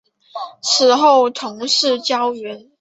此后从事教员。